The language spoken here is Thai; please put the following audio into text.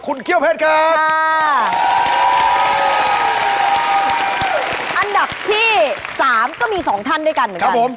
สองท่านด้วยกันเหมือนกันครับผม